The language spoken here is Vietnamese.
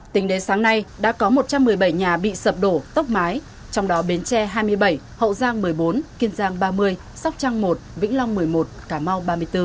tính đến sáng nay đã có một trăm một mươi bảy nhà bị sập đổ tốc mái trong đó bến tre hai mươi bảy hậu giang một mươi bốn kiên giang ba mươi sóc trăng một vĩnh long một mươi một cà mau ba mươi bốn